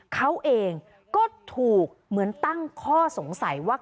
เขาเองก็ถูกเหมือนตั้งข้อสงสัยว่า